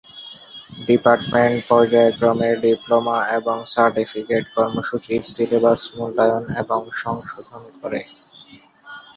Department পর্যায়ক্রমে diploma এবং certificate কর্মসূচীর সিলেবাস মূল্যায়ন এবং সংশোধন করে।